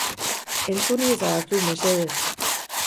Entzun iezadazu, mesedez.